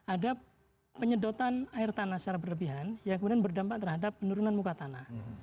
ada penyedotan air tanah secara berlebihan yang kemudian berdampak terhadap penurunan muka tanah